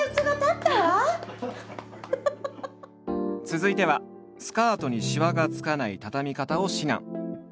続いてはスカートにシワがつかないたたみ方を指南。